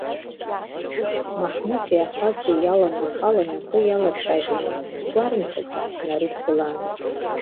Маҳмуҭи ахаҵеи иаланахалан акы иалацәажәауан, сгәарымҭаӡеит снарыдгылаанӡа.